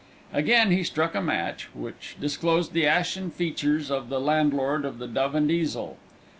Again he struck a match, which disclosed the ashen features of the landlord of the Dove and Easel.